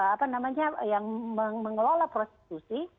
apa namanya yang mengelola prostitusi